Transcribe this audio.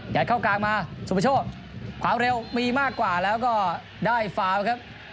เข้ากลางมาสุประโชคความเร็วมีมากกว่าแล้วก็ได้ฟาวครับ